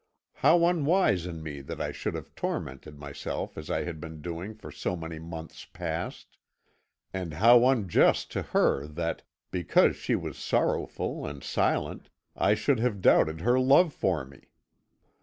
How unwise in me that I should have tormented myself as I had been doing for so many months past! And how unjust to her that, because she was sorrowful and silent, I should have doubted her love for me!